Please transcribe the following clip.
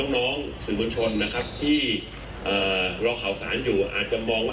น้องสื่อมวลชนนะครับที่รอข่าวสารอยู่อาจจะมองว่า